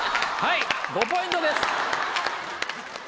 １５ポイントですね。